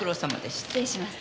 失礼します。